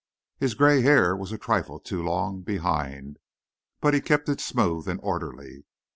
His gray hair was a trifle too long behind, but he kept it smooth and orderly.